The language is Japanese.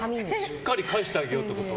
しっかり返してあげようってこと？